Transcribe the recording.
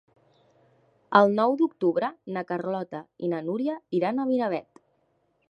El nou d'octubre na Carlota i na Núria iran a Miravet.